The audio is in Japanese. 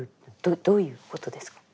どういうことですか？